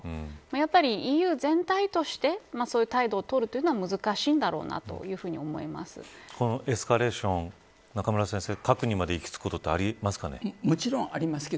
やはりＥＵ全体としてそういう態度を取るというのはこのエスカレーション中村先生、核にまで行き着くことはありますか。